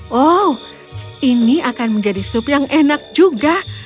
wow ini akan menjadi sup yang enak juga